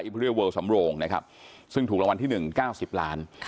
เรียเวิลสำโรงนะครับซึ่งถูกรางวัลที่๑๙๐ล้าน